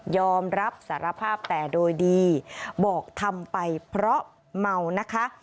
อมรับสารภาพแต่โดยดีบอกทำไปเพราะเมานะคะ